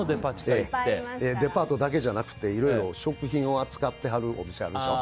デパートだけじゃなくていろいろ食品を扱ってはるお店あるでしょ。